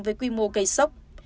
với quy mô gây sốc